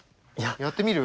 やってみる？